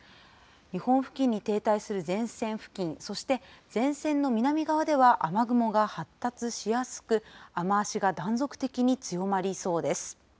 日本付近に停滞する前線付近、そして前線の南側では雨雲が発達しやすく、雨足が断続的に強まりそうです。